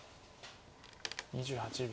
２８秒。